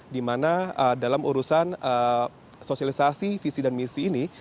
di mana dalam urusan sosialisasi visi dan misi ini